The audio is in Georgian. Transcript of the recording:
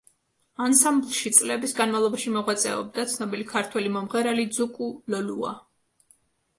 ანსამბლში წლების განმავლობაში მოღვაწეობდა ცნობილი ქართველი მომღერალი ძუკუ ლოლუა.